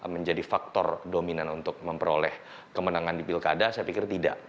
menjadi faktor dominan untuk memperoleh kemenangan di pilkada saya pikir tidak